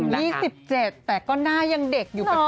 นี่๑๗แต่ก็หน้ายังเด็กอยู่